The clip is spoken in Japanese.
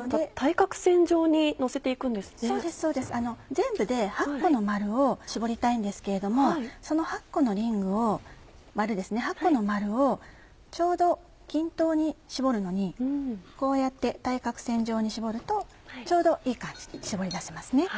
全部で８個の丸を絞りたいんですけれどもその８個の丸をちょうど均等に絞るのにこうやって対角線上に絞るとちょうどいい感じに絞り出せますね。